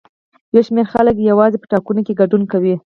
یو شمېر خلک یوازې په ټاکنو کې ګډون کوي.